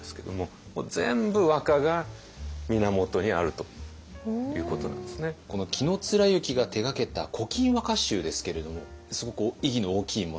ただこの紀貫之が手がけた「古今和歌集」ですけれどもすごく意義の大きいものなんですか？